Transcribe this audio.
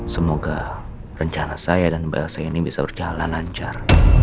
semoga rencana saya dan bahasa ini bisa berjalan lancar